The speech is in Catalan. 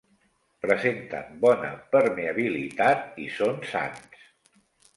Presenten bona permeabilitat i són sans.